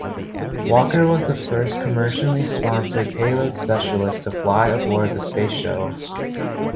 Walker was the first commercially sponsored payload specialist to fly aboard the Space Shuttle.